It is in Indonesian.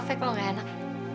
iya udah malem mbak